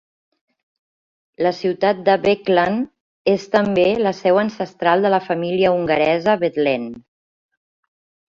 La ciutat de Beclean és també la seu ancestral de la família hongaresa Bethlen.